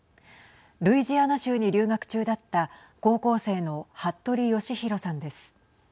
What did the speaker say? ルイジアナ州に留学中だった高校生の服部剛丈さんです。